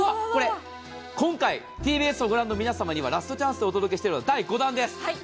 今回、ＴＢＳを御覧の皆様にはラストチャンスでお届けしているのは第５弾です。